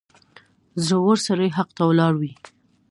• زړور سړی حق ته ولاړ وي.